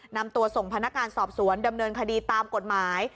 นำตัวส่งพนักงานสอบสวนดำเนินคดีตามกฎหมาย